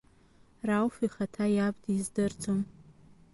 Рауф ихаҭа иаб диздырӡом.